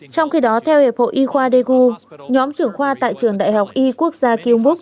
trong khi đó theo hiệp hội y khoa daegu nhóm trưởng khoa tại trường đại học y quốc gia kiêung book